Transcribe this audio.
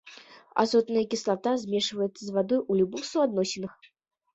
Азотная кіслата змешваецца з вадой у любых суадносінах.